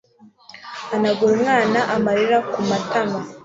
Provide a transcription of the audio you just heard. hanagura umwana amarira ku matama